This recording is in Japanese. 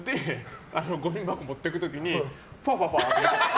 ごみ箱持っていく時にファファファって。